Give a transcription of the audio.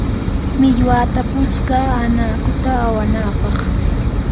millwata putskaa anakuta awanapaq.